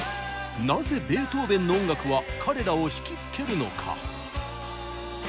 なぜベートーベンの音楽は彼らをひきつけるのか。